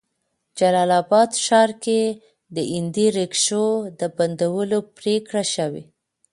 جلال آباد ښار کې د هندي ريکشو د بندولو پريکړه شوې